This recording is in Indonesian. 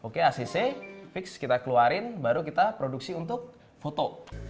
oke acc fix kita keluarin baru kita produksi untuk foto